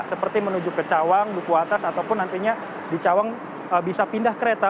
seperti menuju ke cawang duku atas ataupun nantinya di cawang bisa pindah kereta